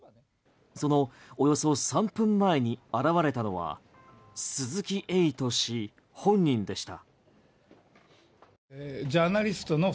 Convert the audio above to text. そのおよそ３分前に現れたのは鈴木エイト氏本人でした。